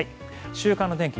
週間天気